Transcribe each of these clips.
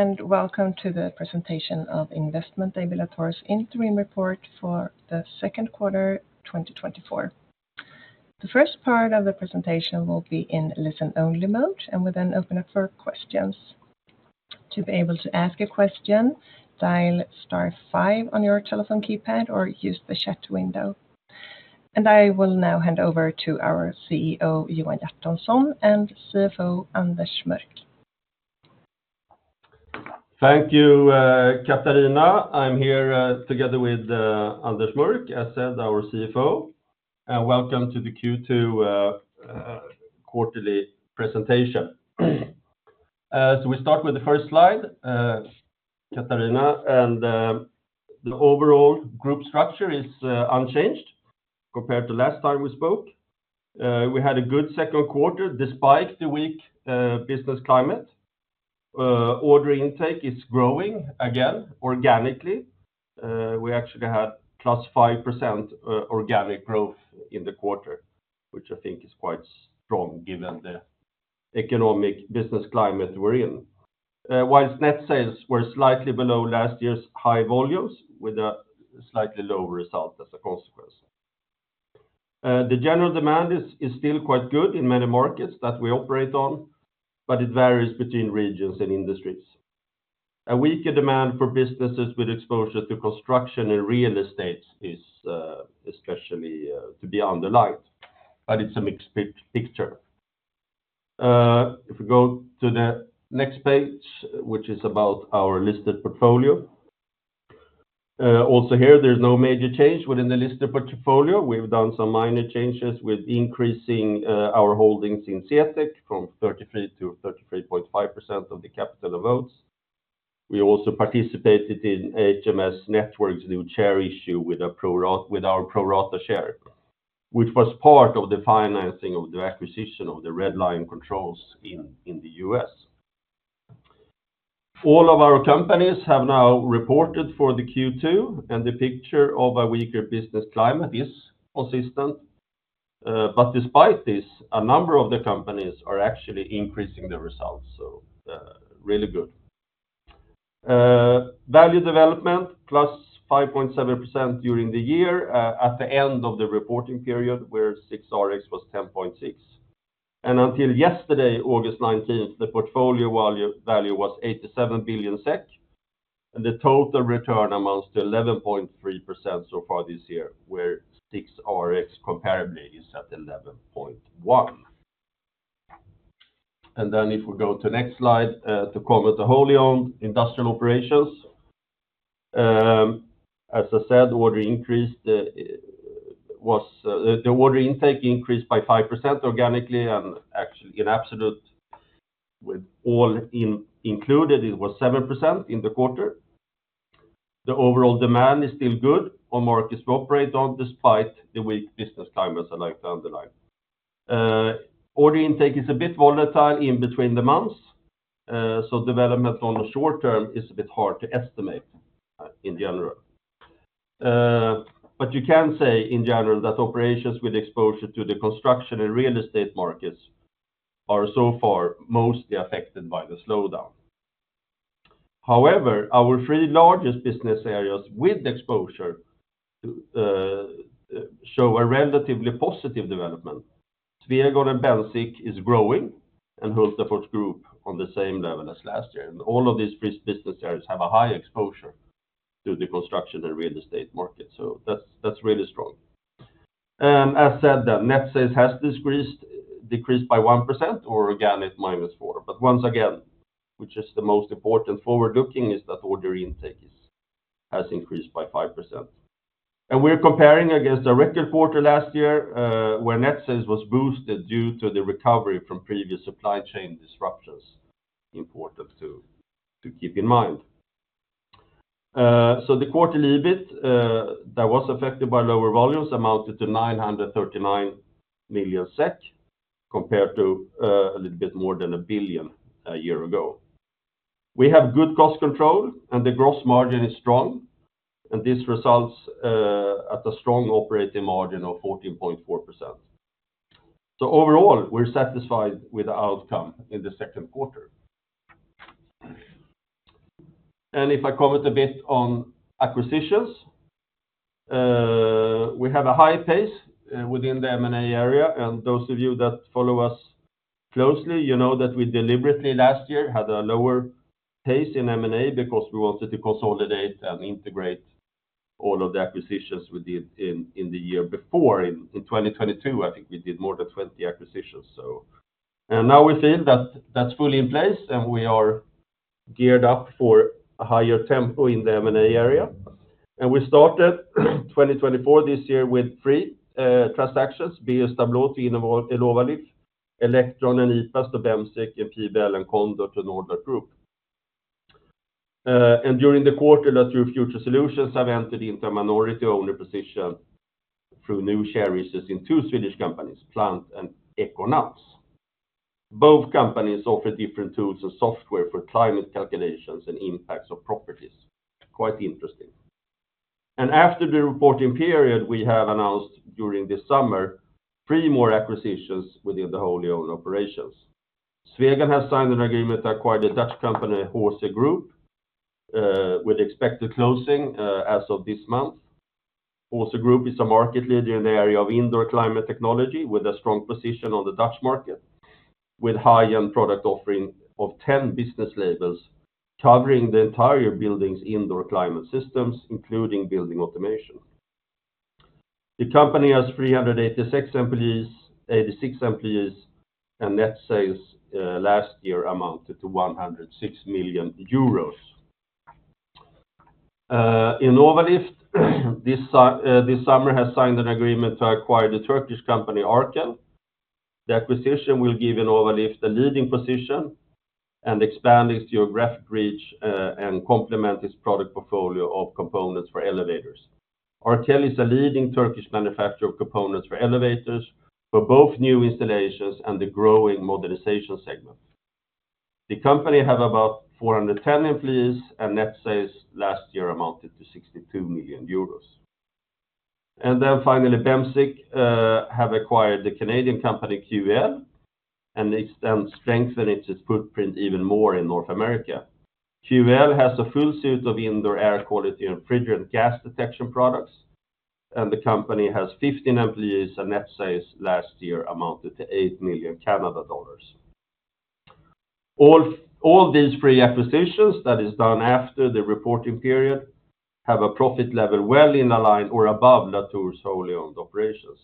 And welcome to the presentation of Investment AB Latour's interim report for the second quarter, 2024. The first part of the presentation will be in listen-only mode, and we then open up for questions. To be able to ask a question, dial star five on your telephone keypad or use the chat window. And I will now hand over to our CEO, Johan Hjertonsson, and CFO, Anders Mörck. Thank you, Katarina. I'm here together with Anders Mörck, as said, our CFO, and welcome to the Q2 quarterly presentation. So we start with the first slide, Katarina, and the overall group structure is unchanged compared to last time we spoke. We had a good second quarter despite the weak business climate. Order intake is growing again organically. We actually had plus 5% organic growth in the quarter, which I think is quite strong given the economic business climate we're in. While net sales were slightly below last year's high volumes, with a slightly lower result as a consequence. The general demand is still quite good in many markets that we operate on, but it varies between regions and industries. A weaker demand for businesses with exposure to construction and real estate is especially to be underlined, but it's a mixed picture. If we go to the next page, which is about our listed portfolio. Also here, there's no major change within the listed portfolio. We've done some minor changes with increasing our holdings in CTEK from 33%-33.5% of the capital and votes. We also participated in HMS Networks' new share issue with our pro rata share, which was part of the financing of the acquisition of Red Lion Controls in the U.S. All of our companies have now reported for the Q2, and the picture of a weaker business climate is consistent. But despite this, a number of the companies are actually increasing their results, so really good. Value development plus 5.7% during the year at the end of the reporting period, where SIXRX was 10.6. Until yesterday, August nineteenth, the portfolio value was 87 billion SEK, and the total return amounts to 11.3% so far this year, where SIXRX comparably is at 11.1. If we go to the next slide to cover the wholly owned industrial operations. As I said, the order intake increased by 5% organically, and actually in absolute, with all included, it was 7% in the quarter. The overall demand is still good on markets we operate on, despite the weak business climate, as I like to underline. Order intake is a bit volatile in between the months, so development on the short term is a bit hard to estimate, in general. But you can say, in general, that operations with exposure to the construction and real estate markets are so far mostly affected by the slowdown. However, our three largest business areas with exposure show a relatively positive development. Swegon and Bemsiq is growing, and Hultafors Group on the same level as last year. And all of these business areas have a high exposure to the construction and real estate market, so that's really strong. As said, the net sales has decreased, decreased by 1%, or organic minus 4%. But once again, which is the most important forward-looking, is that order intake has increased by 5%. And we're comparing against a record quarter last year, where net sales was boosted due to the recovery from previous supply chain disruptions. Important to keep in mind. So the quarterly EBIT that was affected by lower volumes amounted to 939 million SEK, compared to a little bit more than 1 billion a year ago. We have good cost control, and the gross margin is strong, and this results at a strong operating margin of 14.4%. So overall, we're satisfied with the outcome in the second quarter. If I comment a bit on acquisitions, we have a high pace within the M&A area, and those of you that follow us closely, you know that we deliberately last year had a lower pace in M&A because we wanted to consolidate and integrate all of the acquisitions we did in the year before. In 2022, I think we did more than 20 acquisitions, so. Now we see that that's fully in place, and we are geared up for a higher tempo in the M&A area. We started 2024 this year with three transactions: Beijer Stålteknik into Innovalift, Eleqtron and Ipas to Bemsiq, and PBL and Condor to Nord-Lock Group. During the quarter, through Future Solutions, I've entered into a minority owner position through new share issues in two Swedish companies, Plant and Econans. Both companies offer different tools and software for climate calculations and impacts of properties. Quite interesting. After the reporting period, we have announced during this summer three more acquisitions within the wholly owned operations. Swegon has signed an agreement to acquire the Dutch company, HC Groep, with expected closing as of this month. HC Groep is a market leader in the area of indoor climate technology, with a strong position on the Dutch market, with high-end product offering of 10 business labels, covering the entire building's indoor climate systems, including building automation. The company has 386 employees, and net sales last year amounted to 106 million euros. Innovalift, this summer, has signed an agreement to acquire the Turkish company, Arkel. The acquisition will give Innovalift the leading position and expand its geographic reach, and complement its product portfolio of components for elevators. Arkel is a leading Turkish manufacturer of components for elevators, for both new installations and the growing modernization segment. The company have about 410 employees, and net sales last year amounted to 62 million euros. Then finally, Bemsiq have acquired the Canadian company, QEL, and this then strengthen its footprint even more in North America. QEL has a full suite of indoor air quality and refrigerant gas detection products, and the company has 15 employees, and net sales last year amounted to CAD 8 million. All these three acquisitions that is done after the reporting period, have a profit level well in line or above Latour's wholly owned operations.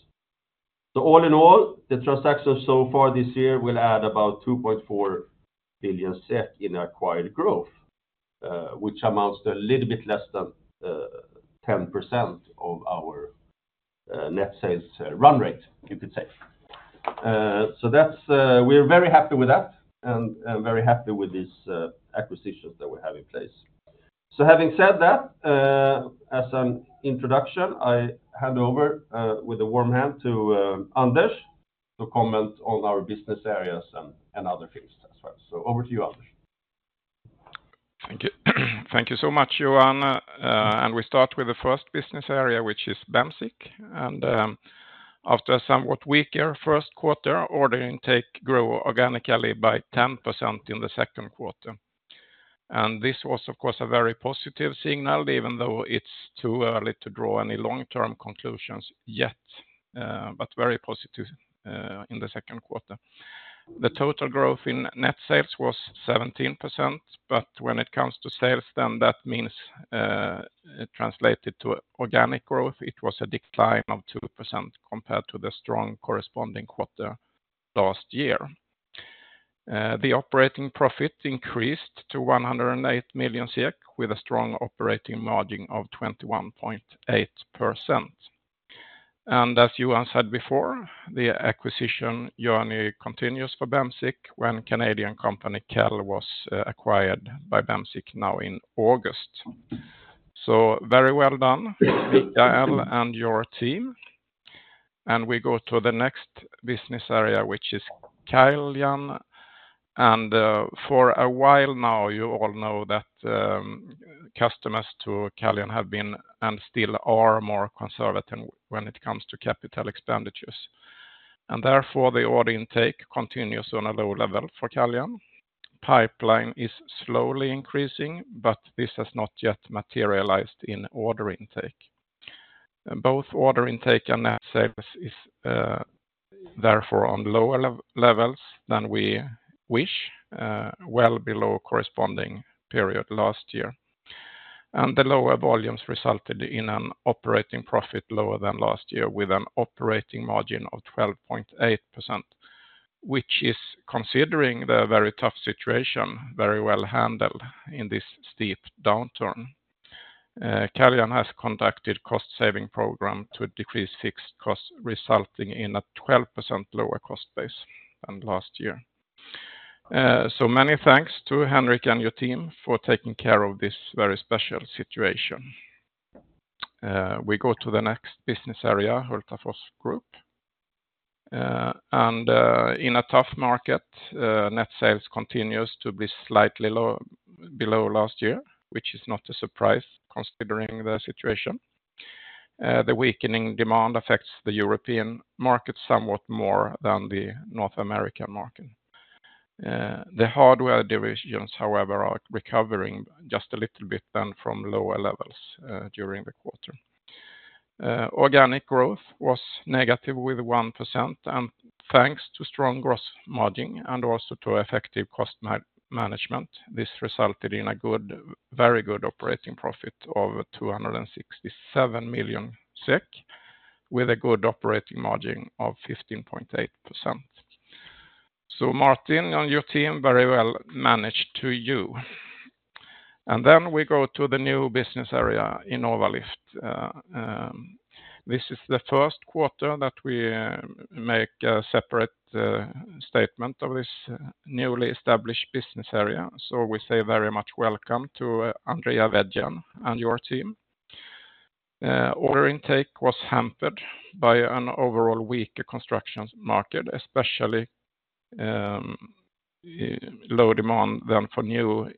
So all in all, the transactions so far this year will add about 2.4 billion in acquired growth, which amounts to a little bit less than 10% of our net sales run rate, you could say. So that's. We're very happy with that, and very happy with these acquisitions that we have in place. So having said that, as an introduction, I hand over with a warm hand to Anders, to comment on our business areas and other things as well. So over to you, Anders. Thank you. Thank you so much, Johan, and we start with the first business area, which is Bemsiq, and after a somewhat weaker first quarter, order intake grew organically by 10% in the second quarter, and this was, of course, a very positive signal, even though it's too early to draw any long-term conclusions yet, but very positive in the second quarter. The total growth in net sales was 17%, but when it comes to sales, then that means it translated to organic growth. It was a decline of 2% compared to the strong corresponding quarter last year. The operating profit increased to 108 million SEK, with a strong operating margin of 21.8%. As Johan said before, the acquisition journey continues for Bemsiq, when Canadian company, QEL, was acquired by Bemsiq now in August. Very well done, QEL and your team. We go to the next business area, which is Caljan. For a while now, you all know that customers to Caljan have been, and still are, more conservative when it comes to capital expenditures. Therefore, the order intake continues on a low level for Caljan. Pipeline is slowly increasing, but this has not yet materialized in order intake. Both order intake and net sales is therefore on lower levels than we wish, well below corresponding period last year. The lower volumes resulted in an operating profit lower than last year, with an operating margin of 12.8%, which is, considering the very tough situation, very well handled in this steep downturn. Caljan has conducted cost saving program to decrease fixed costs, resulting in a 12% lower cost base than last year. So many thanks to Henrik and your team for taking care of this very special situation. We go to the next business area, Hultafors Group. In a tough market, net sales continues to be slightly low, below last year, which is not a surprise, considering the situation. The weakening demand affects the European market somewhat more than the North American market. The hardware divisions, however, are recovering just a little bit then from lower levels during the quarter. Organic growth was negative with 1%, and thanks to strong growth margin and also to effective cost management, this resulted in a good, very good operating profit of 267 million SEK, with a good operating margin of 15.8%. Martin and your team very well managed to you. Then we go to the new business area, Innovalift. This is the first quarter that we make a separate statement of this newly established business area. We say very much welcome to Andrea Vedi and your team. Order intake was hampered by an overall weaker construction market, low demand than for new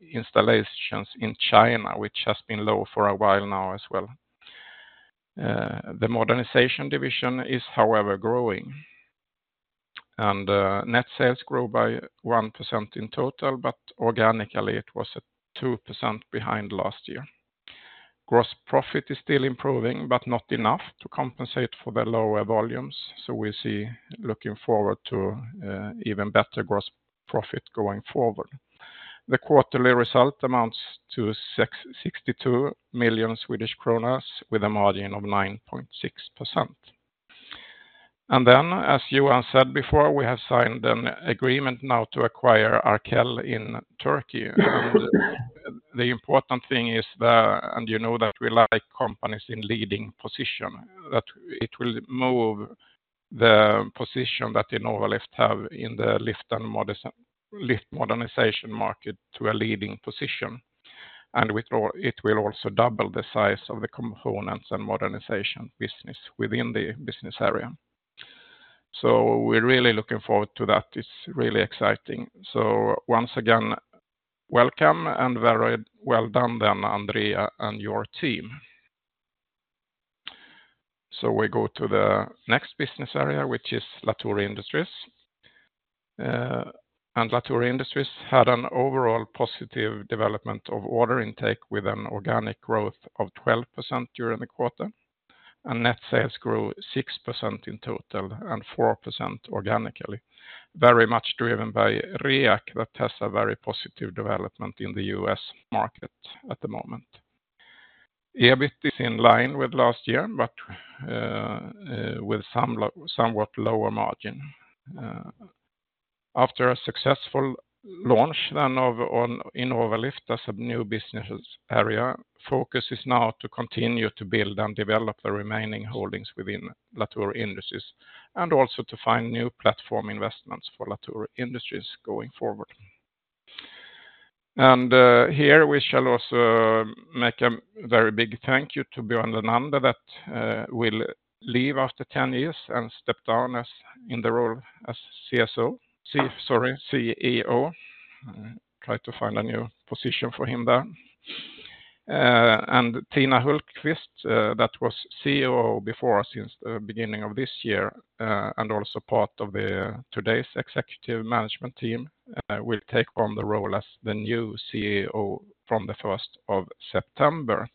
installations in China, which has been low for a while now as well. The modernization division is, however, growing. Net sales grew by 1% in total, but organically, it was at 2% behind last year. Gross profit is still improving, but not enough to compensate for the lower volumes, so we're looking forward to even better gross profit going forward. The quarterly result amounts to 62 million Swedish kronor, with a margin of 9.6%. Then, as Johan said before, we have signed an agreement now to acquire Arkel in Turkey. The important thing is. You know that we like companies in leading position, that it will move the position that Innovalift have in the lift and modernization market to a leading position, and it will also double the size of the components and modernization business within the business area. We're really looking forward to that. It's really exciting. Once again, welcome, and very well done, then, Andrea and your team. We go to the next business area, which is Latour Industries. Latour Industries had an overall positive development of order intake, with an organic growth of 12% during the quarter, and net sales grew 6% in total and 4% organically. Very much driven by REAC, that has a very positive development in the U.S. market at the moment. EBIT is in line with last year, but with somewhat lower margin. After a successful launch of Innovalift as a new business area, focus is now to continue to build and develop the remaining holdings within Latour Industries, and also to find new platform investments for Latour Industries going forward. Here, we shall also make a very big thank you to Björn Lenander that will leave after ten years and step down as CEO. Try to find a new position for him there. And Tina Hultkvist that was CEO before us, since the beginning of this year, and also part of today's executive management team will take on the role as the new CEO from the 1st of September.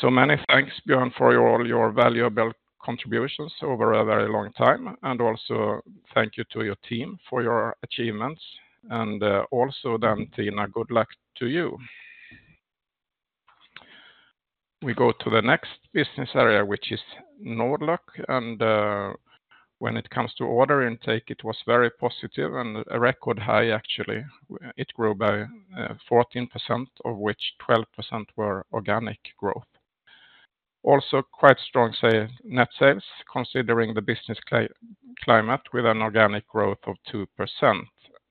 So many thanks, Björn, for all your valuable contributions over a very long time, and also thank you to your team for your achievements, and also, then, Tina, good luck to you. We go to the next business area, which is Nord-Lock, and when it comes to order intake, it was very positive and a record high, actually. It grew by 14%, of which 12% were organic growth. Also quite strong net sales, considering the business climate, with an organic growth of 2%,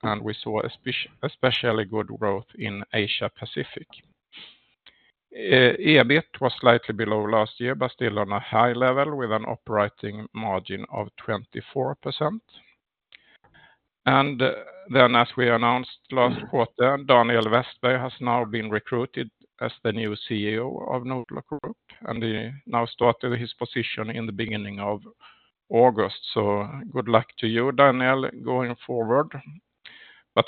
and we saw especially good growth in Asia Pacific. EBIT was slightly below last year, but still on a high level, with an operating margin of 24%. Then, as we announced last quarter, Daniel Westberg has now been recruited as the new CEO of Nord-Lock Group, and he now started his position in the beginning of August. So good luck to you, Daniel, going forward.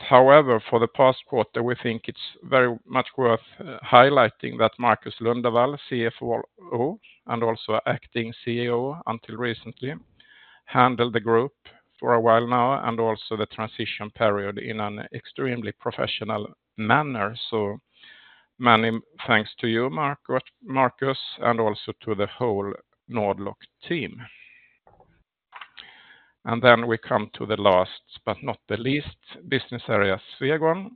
However, for the past quarter, we think it's very much worth highlighting that Marcus Lundvall, CFO, and also acting CEO until recently, handled the group for a while now, and also the transition period in an extremely professional manner. So many thanks to you, Marco- Marcus, and also to the whole Nord-Lock team. And then we come to the last, but not the least, business area, Swegon,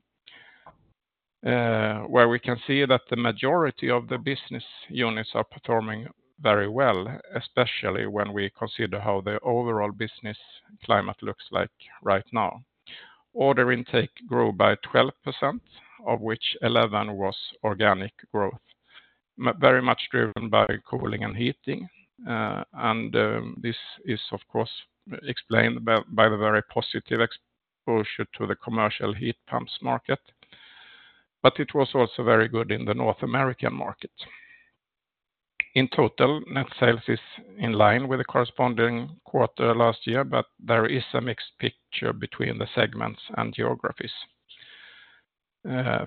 where we can see that the majority of the business units are performing very well, especially when we consider how the overall business climate looks like right now. Order intake grew by 12%, of which 11% was organic growth, very much driven by cooling and heating. And this is, of course, explained by the very positive exposure to the commercial heat pumps market, but it was also very good in the North American market. In total, net sales is in line with the corresponding quarter last year, but there is a mixed picture between the segments and geographies.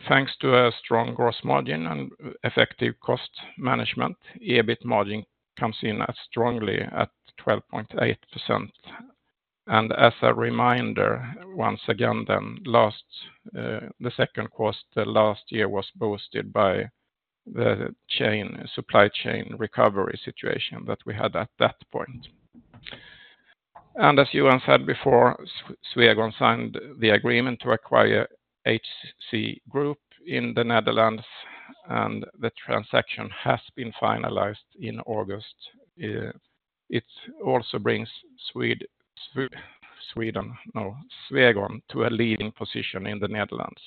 Thanks to a strong gross margin and effective cost management, EBIT margin comes in at strongly at 12.8%. And as a reminder, once again, then, last, the second quarter, last year was boosted by the chain, supply chain recovery situation that we had at that point. And as Johan said before, Swegon signed the agreement to acquire HC Groep in the Netherlands, and the transaction has been finalized in August. It also brings Sweden, no, Swegon to a leading position in the Netherlands,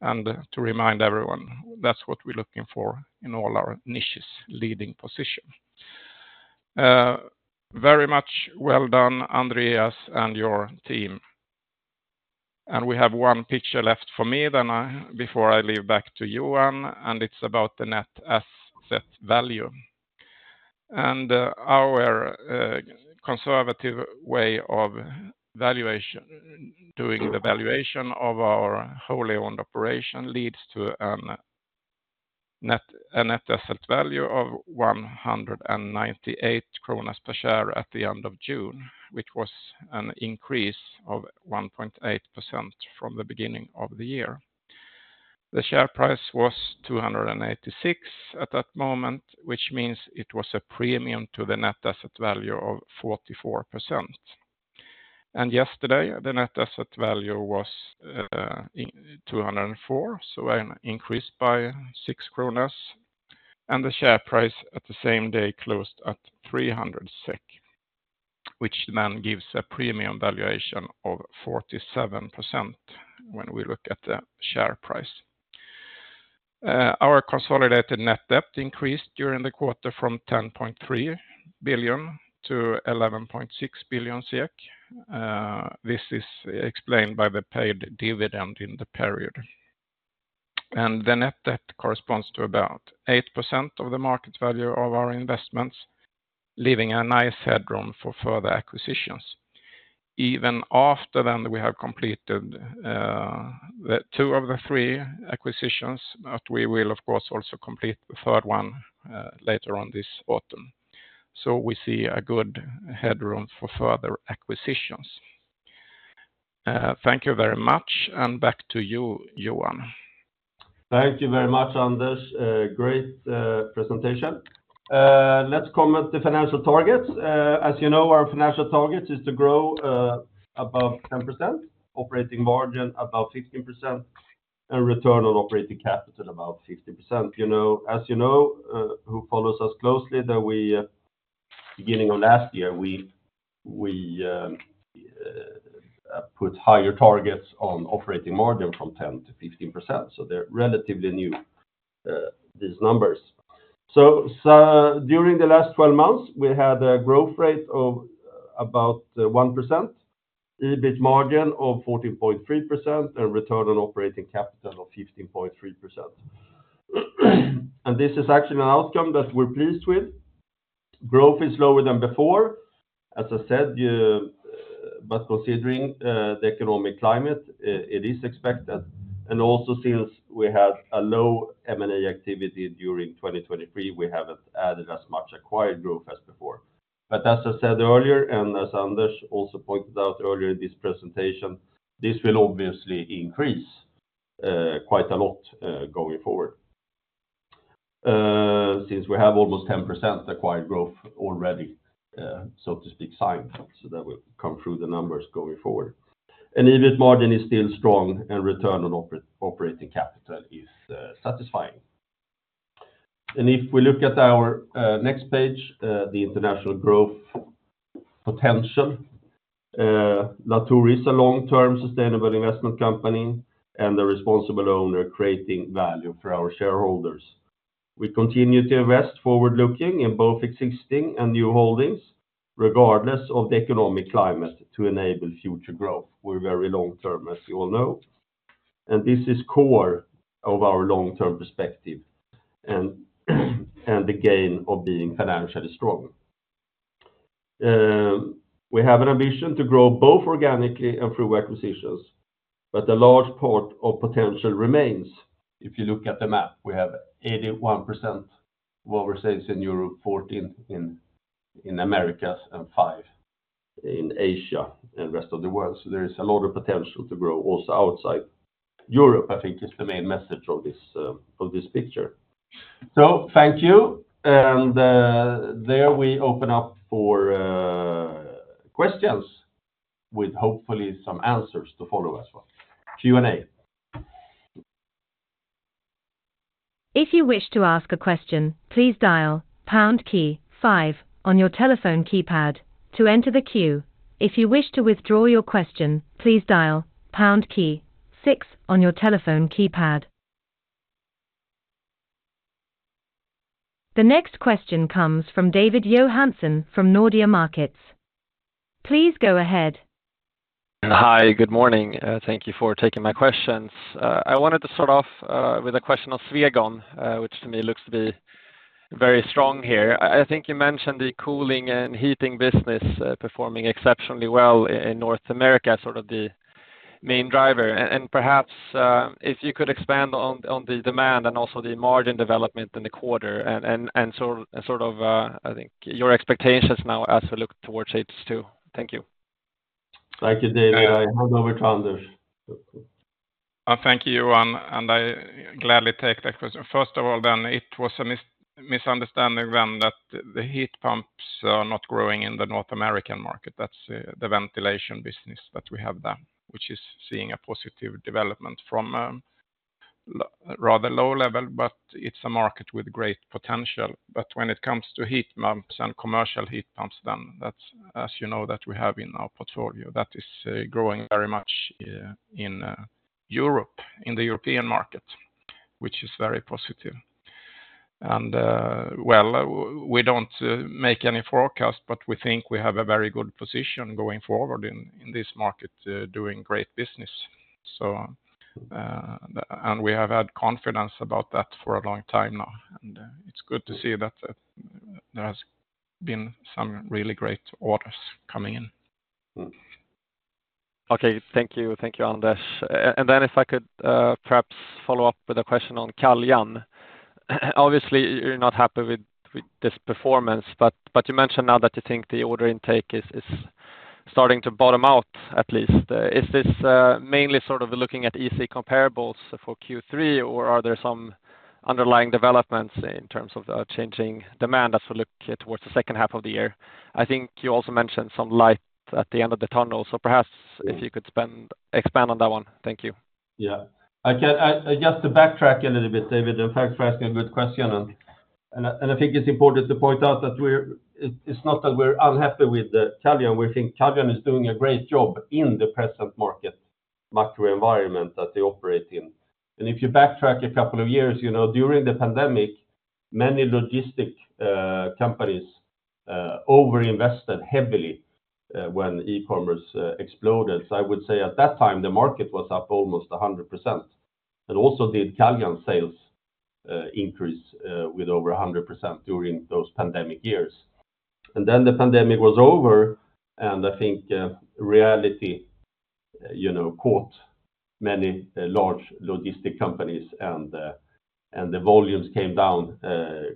and to remind everyone, that's what we're looking for in all our niches, leading position. Very much well done, Andreas, and your team. And we have one picture left for me, then I, before I leave back to Johan, and it's about the Net Asset Value. Our conservative way of valuation, doing the valuation of our wholly owned operation leads to a net asset value of 198 kronor per share at the end of June, which was an increase of 1.8% from the beginning of the year. The share price was 286 at that moment, which means it was a premium to the net asset value of 44%. Yesterday, the net asset value was 204, so an increase by 6 kronor, and the share price at the same day closed at 300 SEK, which then gives a premium valuation of 47% when we look at the share price. Our consolidated net debt increased during the quarter from 10.3-11.6 billion. This is explained by the paid dividend in the period, and the net debt corresponds to about 8% of the market value of our investments, leaving a nice headroom for further acquisitions. Even after then, we have completed the two of the three acquisitions, but we will, of course, also complete the third one later on this autumn, so we see a good headroom for further acquisitions. Thank you very much, and back to you, Johan. Thank you very much, Anders. Great presentation. Let's comment on the financial targets. As you know, our financial target is to grow above 10%, operating margin above 15%, and return on operating capital above 15%. You know, as you know, who follows us closely, that we, beginning of last year, put higher targets on operating margin from 10% to 15%, so they're relatively new, these numbers. So during the last twelve months, we had a growth rate of about 1%, EBIT margin of 14.3%, and return on operating capital of 15.3%. And this is actually an outcome that we're pleased with. Growth is lower than before. As I said, you. But considering the economic climate, it is expected, and also since we had a low M&A activity during 2023, we haven't added as much acquired growth as before. But as I said earlier, and as Anders also pointed out earlier in this presentation, this will obviously increase quite a lot going forward. Since we have almost 10% acquired growth already, so to speak, signed, so that will come through the numbers going forward. And EBIT margin is still strong, and return on operating capital is satisfying. And if we look at our next page, the international growth potential, Latour is a long-term sustainable investment company and a responsible owner, creating value for our shareholders. We continue to invest forward-looking in both existing and new holdings, regardless of the economic climate, to enable future growth. We're very long-term, as you all know, and this is core of our long-term perspective and the gain of being financially strong. We have an ambition to grow both organically and through acquisitions, but a large part of potential remains. If you look at the map, we have 81% of our sales in Europe, 14 in Americas, and five in Asia and rest of the world. So there is a lot of potential to grow also outside Europe. I think is the main message of this picture. So thank you, and there we open up for questions, with hopefully some answers to follow as well. Q&A. If you wish to ask a question, please dial pound key five on your telephone keypad to enter the queue. If you wish to withdraw your question, please dial pound key six on your telephone keypad. The next question comes from David Johansson from Nordea Markets. Please go ahead. Hi, good morning. Thank you for taking my questions. I wanted to start off with a question on Swegon, which to me looks to be very strong here. I think you mentioned the cooling and heating business performing exceptionally well in North America, sort of the main driver. And perhaps if you could expand on the demand and also the margin development in the quarter and sort of I think your expectations now as we look towards H2. Thank you. Thank you, David. I hand over to Anders. Thank you, Johan, and I gladly take that question. First of all, it was a misunderstanding that the heat pumps are not growing in the North American market. That's the ventilation business that we have there, which is seeing a positive development from a rather low level, but it's a market with great potential. But when it comes to heat pumps and commercial heat pumps, that's, as you know, that we have in our portfolio, that is growing very much in Europe, in the European market, which is very positive. And, well, we don't make any forecast, but we think we have a very good position going forward in this market, doing great business. So, and we have had confidence about that for a long time now, and it's good to see that there has been some really great orders coming in. Okay. Thank you. Thank you, Anders. And then if I could perhaps follow up with a question on Caljan. Obviously, you're not happy with this performance, but you mentioned now that you think the order intake is starting to bottom out, at least. Is this mainly sort of looking at easy comparables for Q3, or are there some underlying developments in terms of the changing demand as we look towards the second half of the year? I think you also mentioned some light at the end of the tunnel, so perhaps if you could expand on that one. Thank you. Yeah. I just to backtrack a little bit, David, and thanks for asking a good question, and I think it's important to point out that it's not that we're unhappy with Caljan. We think Caljan is doing a great job in the present market macro environment that they operate in. And if you backtrack a couple of years, you know, during the pandemic, many logistic companies over-invested heavily when e-commerce exploded. So I would say at that time, the market was up almost 100%, and also did Caljan sales increase with over 100% during those pandemic years. And then the pandemic was over, and I think reality, you know, caught many large logistics companies, and the volumes came down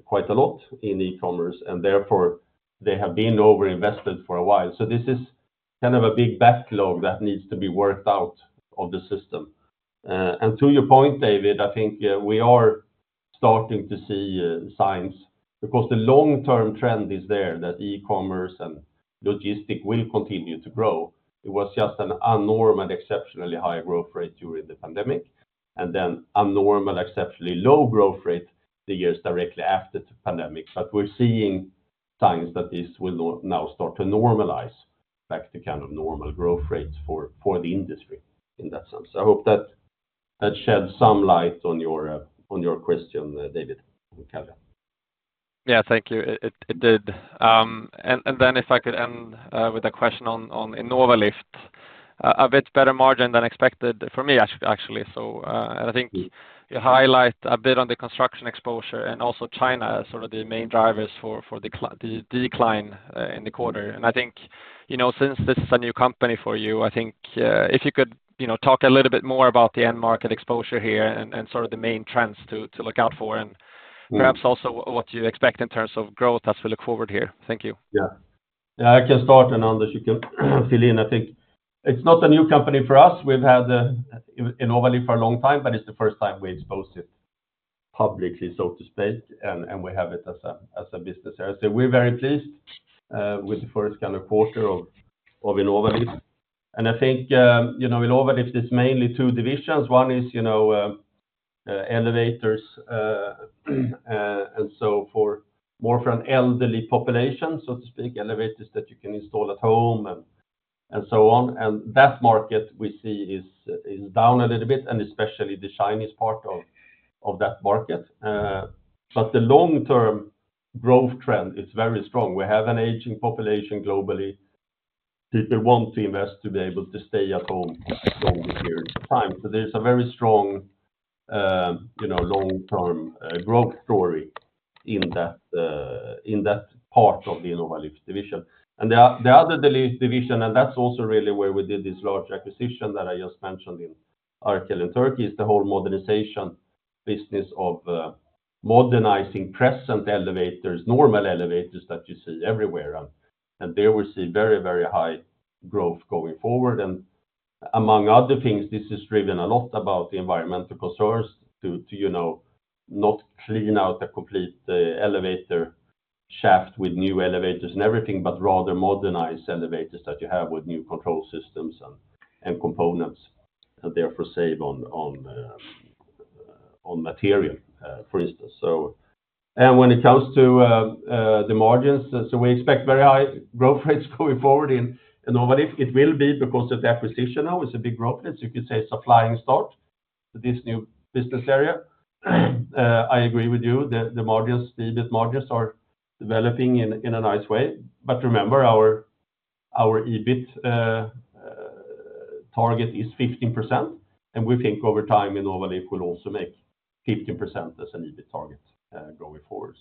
quite a lot in e-commerce, and therefore, they have been over-invested for a while. So this is kind of a big backlog that needs to be worked out of the system. And to your point, David, I think we are starting to see signs, because the long-term trend is there, that e-commerce and logistics will continue to grow. It was just an abnormal and exceptionally high growth rate during the pandemic, and then abnormal, exceptionally low growth rate, the years directly after the pandemic. But we're seeing signs that this will now start to normalize back to kind of normal growth rates for the industry in that sense. I hope that that sheds some light on your question, David, on Caljan. Yeah. Thank you. It did, and then if I could end with a question on Innovalift. A bit better margin than expected for me, actually. So, and I think you highlight a bit on the construction exposure and also China, as sort of the main drivers for the decline in the quarter, and I think, you know, since this is a new company for you, I think if you could, you know, talk a little bit more about the end market exposure here and sort of the main trends to look out for, and perhaps also what you expect in terms of growth as we look forward here. Thank you. Yeah. Yeah, I can start, and Anders, you can fill in. I think it's not a new company for us. We've had Innovalift for a long time, but it's the first time we exposed it publicly, so to speak, and we have it as a business area. So we're very pleased with the first kind of quarter of Innovalift. And I think, you know, Innovalift is mainly two divisions. One is, you know, elevators and so for more from elderly population, so to speak, elevators that you can install at home and so on. And that market we see is down a little bit, and especially the Chinese part of that market. But the long-term growth trend is very strong. We have an aging population globally. People want to invest to be able to stay at home for longer periods of time, so there's a very strong, you know, long-term growth story in that part of the Innovalift division. And the other division, that's also really where we did this large acquisition that I just mentioned in Turkey, is the whole modernization business of modernizing present elevators, normal elevators that you see everywhere, and there we see very, very high growth going forward. And among other things, this is driven a lot about the environmental concerns to you know, not clean out the complete elevator shaft with new elevators and everything, but rather modernize elevators that you have with new control systems and components, and therefore save on material, for instance. And when it comes to the margins, so we expect very high growth rates going forward in Innovalift. It will be because of the acquisition now. It's a big growth, as you could say, a flying start to this new business area. I agree with you. The margins, the EBIT margins are developing in a nice way. But remember, our EBIT target is 15%, and we think over time, Innovalift will also make 15% as an EBIT target going forward.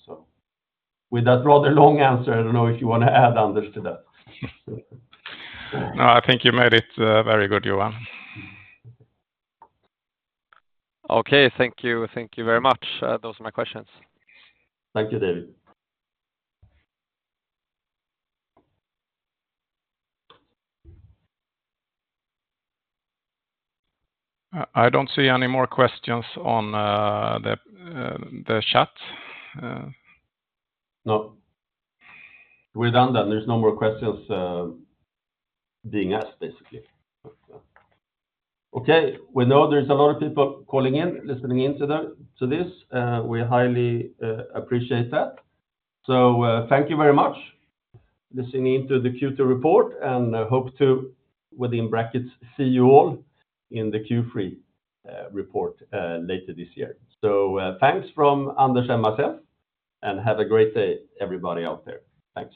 With that rather long answer, I don't know if you want to add Anders to that. No, I think you made it very good, Johan. Okay. Thank you, thank you very much. Those are my questions. Thank you, David. I don't see any more questions on the chat. No. We're done then. There's no more questions being asked, basically. But okay, we know there's a lot of people calling in, listening in to this. We highly appreciate that. So, thank you very much listening in to the Q2 report, and I hope to, within brackets, see you all in the Q3 report later this year. So, thanks from Anders and myself, and have a great day, everybody out there. Thank you.